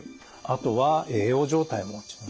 あとは栄養状態も落ちる。